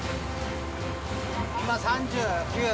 今３９。